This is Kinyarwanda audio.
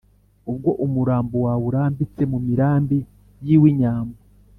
Ubwo umurambo wawe urambitse mu mirambi y'Iwinyambo